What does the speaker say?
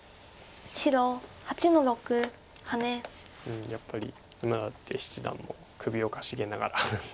うんやっぱり沼舘七段も首をかしげながら。